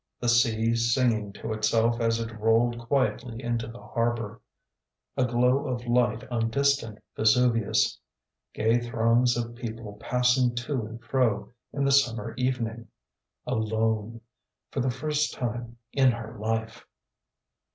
The sea singing to itself as it rolled quietly into the harbor. A glow of light on distant Vesuvius. Gay throngs of people passing to and fro in the summer evening. Alone. For the first time in her life.